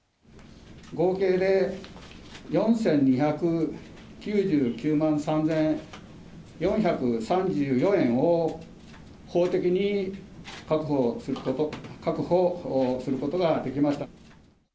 合計で４２９９万３４３４円を法的に確保することができました。